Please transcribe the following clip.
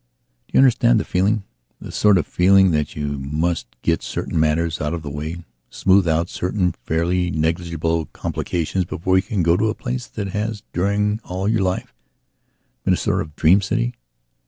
Do you understand the feelingthe sort of feeling that you must get certain matters out of the way, smooth out certain fairly negligible complications before you can go to a place that has, during all your life, been a sort of dream city?